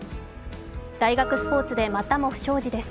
大学スポーツでまたも不祥事です。